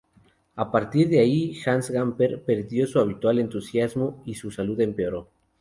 A partir de ahí, Hans Gamper perdió su habitual entusiasmo y su salud empeoró.